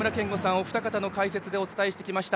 お二方の解説でお伝えしてきました。